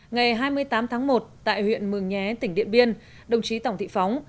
ngày hai mươi tám tháng một tại huyện mường nhé tỉnh điện biên đồng chí tổng thị phóng